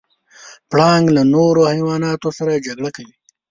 پړانګ له نورو حیواناتو سره جګړه کوي.